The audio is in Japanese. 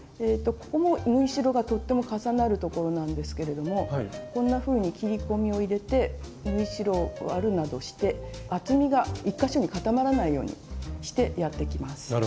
ここも縫い代がとっても重なるところなんですけれどもこんなふうに切り込みを入れて縫い代を割るなどして厚みが１か所に固まらないようにしてやっていきます。